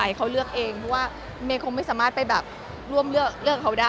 เขาเลือกเองเพราะว่าเมย์คงไม่สามารถไปแบบร่วมเลือกเขาได้